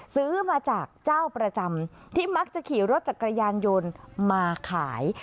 ซื้อมาจากเจ้าประจำที่มักจะขี่รถจักรยานยนต์มาขาย